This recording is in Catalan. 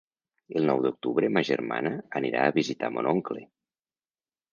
El nou d'octubre ma germana anirà a visitar mon oncle.